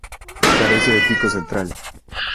Carece de pico central.